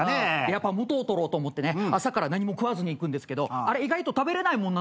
やっぱ元を取ろうと思って朝から何も食わずに行くんですけどあれ意外と食べれないもんなんすね。